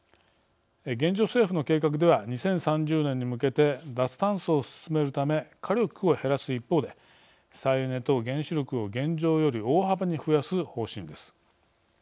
現状、政府の計画では２０３０年に向けて脱炭素を進めるため火力を減らす一方で再エネと原子力を現状より大幅に増やす方針です。